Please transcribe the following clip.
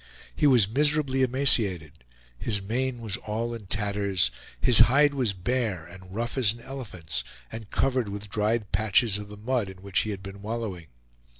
He was miserably emaciated; his mane was all in tatters; his hide was bare and rough as an elephant's, and covered with dried patches of the mud in which he had been wallowing.